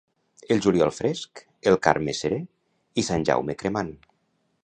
El juliol fresc, el Carme seré i Sant Jaume cremant.